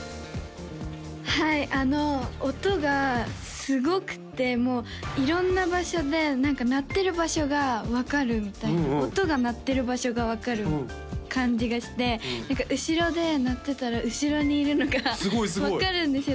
はいあの音がすごくてもう色んな場所で何か鳴ってる場所が分かるみたいな音が鳴ってる場所が分かる感じがして何か後ろで鳴ってたら後ろにいるのが分かるんですよ